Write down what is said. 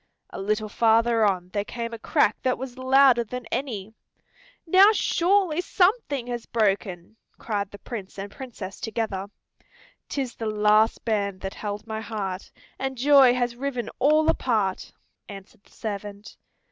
A little farther on there came a crack that was louder than any. "Now surely something has broken," cried the Prince and Princess together. "'Tis the last band that held my heart, And joy has riven all apart," answered the servant.